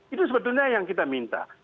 itu sebetulnya yang kita minta